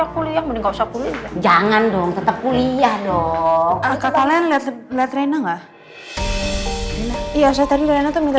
kuliah jangan dong tetep kuliah dong kalian lihat lihat rina enggak iya saya tadi minta